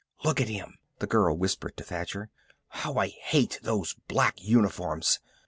"Look at him," the girl whispered to Thacher. "How I hate those black uniforms!"